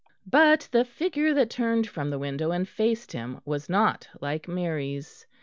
But the figure that turned from the window and faced him was not like Mary's.